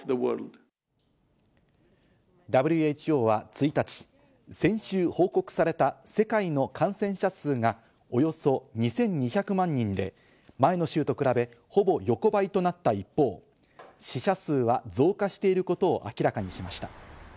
ＷＨＯは１日、先週報告された世界の感染者数がおよそ２２００万人で、前の週と比べ、ほぼ横ばいとなった一方、死者数は増加していることを明らかにしました。